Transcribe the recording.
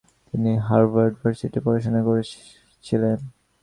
তিনি হার্ভার্ড ইউনিভার্সিটিতে পড়াশুনা করছিলেন।